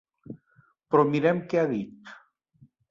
Però mirem què ha dit.